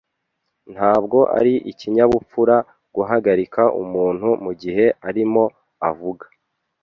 Ntabwo ari ikinyabupfura guhagarika umuntu mugihe arimo avuga.